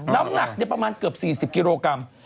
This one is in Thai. น้ำหนักประมาณเกือบ๔๐กิโลกรัม